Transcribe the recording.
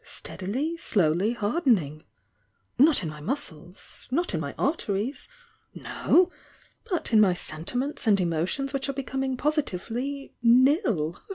Stead ily, slowly hardening! Not in my muscles— not in my arteries — no! — but in my sentiments and emotions which are becoming positively nil.'"